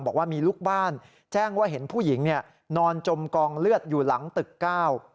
บอกว่ามีลูกบ้านแจ้งว่าเห็นผู้หญิงเนี่ยนอนจมกองเลือดอยู่หลังตึกเก้า